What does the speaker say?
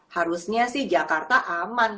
harusnya sih jakarta aman